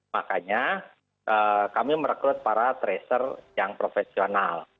makanya kami merekrut para tracer yang profesional